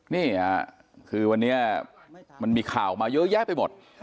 นี่ค่ะคือวันนี้มันมีข่าวมาเยอะแยะไปหมด